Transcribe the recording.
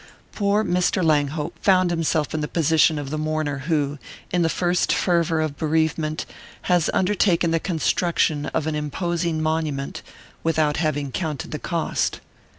Poor Mr. Langhope found himself in the position of the mourner who, in the first fervour of bereavement, has undertaken the construction of an imposing monument without having counted the cost.